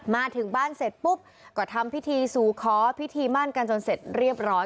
มาถึงบ้านเสร็จปุ๊บก็ทำพิธีสู่ขอพิธีมั่นกันจนเสร็จเรียบร้อย